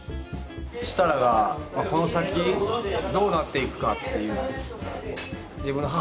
設楽がこの先どうなっていくかっていう。